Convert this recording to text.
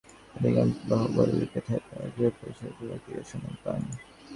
এরপর নজরুল অনুসন্ধান চালিয়ে হবিগঞ্জের বাহুবলে লুকিয়ে থাকা গৃহপরিচারিকা লাকীর সন্ধান পান।